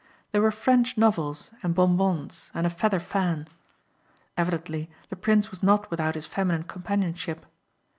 There were French novels and bon bons and a feather fan. Evidently the prince was not without his feminine companionship.